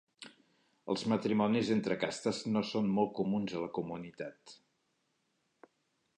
Els matrimonis entre castes no són molt comuns a la comunitat.